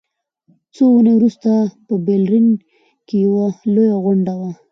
څو اونۍ وروسته په برلین کې یوه لویه غونډه وه